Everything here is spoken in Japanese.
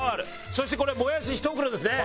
そしてこれもやし１袋ですね。